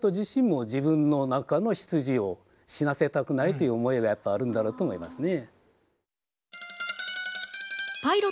という思いがやっぱあるんだろうと思いますね。